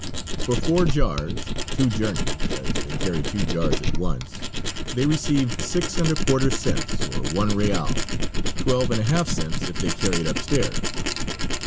For four jars, two journeys, as they carry two jars at once, they receive six and a quarter cents, or one real; twelve and a half cents if they carry it up stairs.